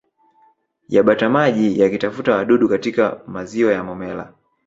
ya batamaji yakitafuta wadudu katika maziwa ya Momella